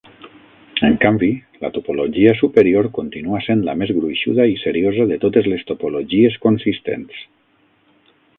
En canvi, la topologia superior continua sent la més gruixuda i seriosa de totes les topologies consistents.